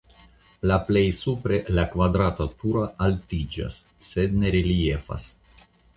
La plej supre la kvadrata turo altiĝas (sed ne reliefas).